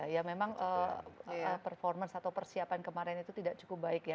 ya memang performance atau persiapan kemarin itu tidak cukup baik ya